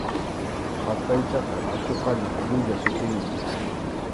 Qataychaqa achuqallap llulla sutinmi.